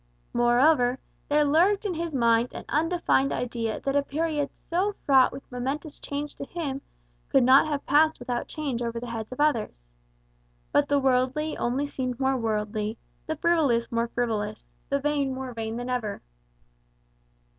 Moreover, there lurked in his mind an undefined idea that a period so fraught with momentous change to him could not have passed without change over the heads of others. But the worldly only seemed more worldly, the frivolous more frivolous, the vain more vain than ever.